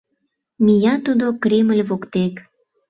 Мия тудо Кремль воктек.